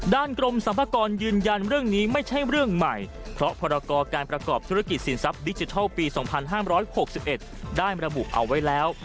กรมสรรพากรยืนยันเรื่องนี้ไม่ใช่เรื่องใหม่เพราะพรกรการประกอบธุรกิจสินทรัพย์ดิจิทัลปี๒๕๖๑ได้ระบุเอาไว้แล้ว